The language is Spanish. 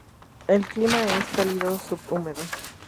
El clima es cálido sub-húmedo.